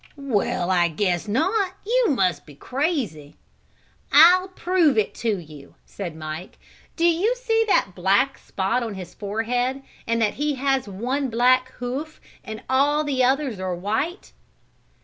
"Well, I guess not, you must be crazy." "I'll prove it to you," said Mike. "Do you see that black spot on his forehead and that he has one black hoof and all the others are white?"